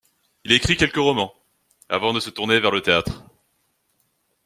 Il écrit quelques romans avant de se tourner vers le théâtre.